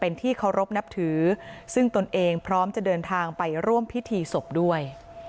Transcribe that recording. เป็นที่เคารพนับถือซึ่งตนเองพร้อมจะเดินทางไปร่วมพิธีศพด้วย